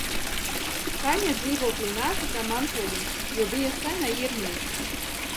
Taņa dzīvoklī nāca kā "mantojums", jo bija sena īrniece.